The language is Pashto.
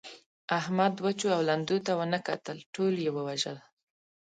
احمد وچو او لندو ته و نه کتل؛ ټول يې ووژل.